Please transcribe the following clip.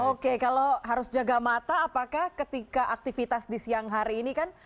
oke kalau harus jaga mata apakah ketika aktivitas di siang hari ini kan